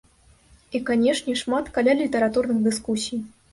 І, канечне, шмат калялітаратурных дыскусій.